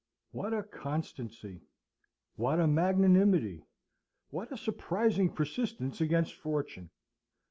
What a constancy, what a magnanimity, what a surprising persistence against fortune!